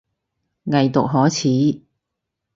偽毒可恥